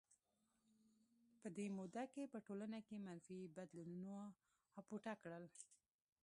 په دې موده کې په ټولنه کې منفي بدلونونو اپوټه کړل.